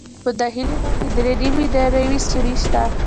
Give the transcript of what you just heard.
په داخلي غوږ کې درې نیم دایروي سوري شته.